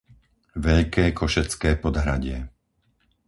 Veľké Košecké Podhradie